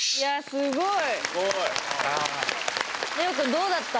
すごい。